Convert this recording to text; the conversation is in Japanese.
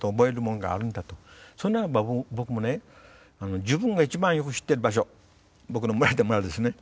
それならば僕もね自分が一番よく知ってる場所僕の生まれた村ですね。